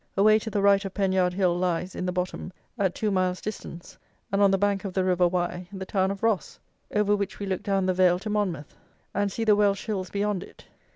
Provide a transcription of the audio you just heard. Away to the right of Penyard Hill lies, in the bottom, at two miles distance, and on the bank of the river Wye, the town of Ross, over which we look down the vale to Monmouth and see the Welsh hills beyond it.